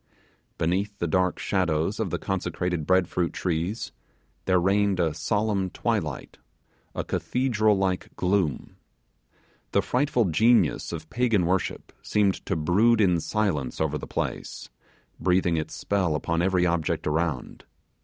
Beneath the dark shadows of the consecrated bread fruit trees there reigned a solemn twilight a cathedral like gloom. The frightful genius of pagan worship seemed to brood in silence over the place, breathing its spell upon every object around.